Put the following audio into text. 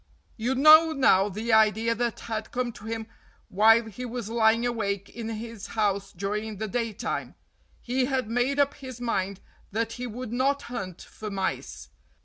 You know now the idea that had come to him while he was lying awake in his house during the daytime. He had made up his mind that he would not hunt for mice.